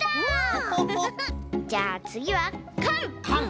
じゃあつぎはかん！